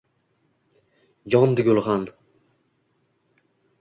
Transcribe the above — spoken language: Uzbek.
Yondi gulxan.